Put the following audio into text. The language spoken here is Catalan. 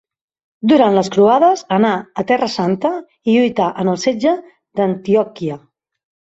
Durant les croades, anà a Terra Santa i lluità en el setge d'Antioquia.